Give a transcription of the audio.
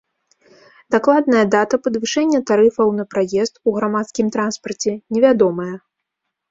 Дакладная дата падвышэння тарыфаў на праезд у грамадскім транспарце невядомая.